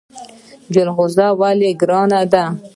جلغوزي ولې ګران دي؟